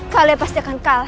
kalian pasti akan kalah